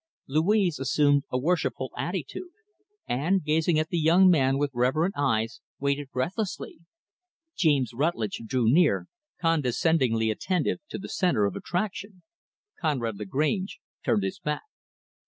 Louise assumed a worshipful attitude, and, gazing at the young man with reverent eyes, waited breathlessly. James Rutlidge drew near, condescendingly attentive, to the center of attraction. Conrad Lagrange turned his back.